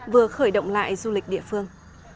vừa khởi động lại du lịch địa phương